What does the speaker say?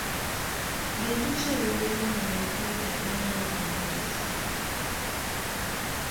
Bintu ki ebibeera mu alipoota ewaayo obuyinza?